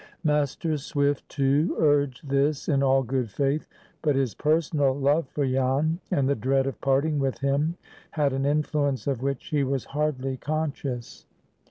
Master Swift too urged this in all good faith, but his personal love for Jan, and the dread of parting with him, had an influence of which he was hardly conscious.